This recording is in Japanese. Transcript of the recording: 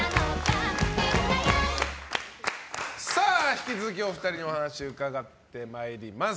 引き続きお二人にお話を伺ってまいります。